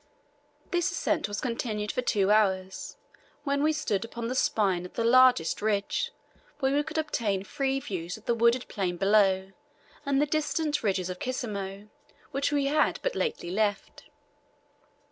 This ascent was continued for two hours, when we stood upon the spine of the largest ridge, where we could obtain free views of the wooded plain below and the distant ridges of Kisemo, which we had but lately left.